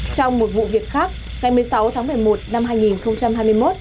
trong một vụ việc khác ngày một mươi sáu tháng một mươi một năm hai nghìn